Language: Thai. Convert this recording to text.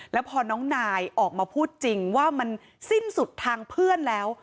แล้วพอน้องนายออกมาพูดจริงว่ามันสิ้นสุดทางเพื่อนแล้ว